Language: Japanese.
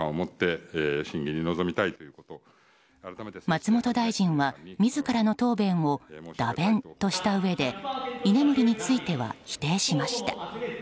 松本大臣は自らの答弁を駄弁としたうえで居眠りについては否定しました。